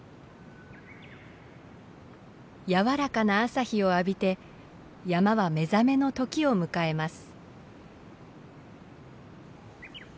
やわらかな朝日を浴びて山は目覚めの時を迎えます。